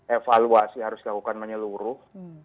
evaluasi harus dilakukan menyeluruh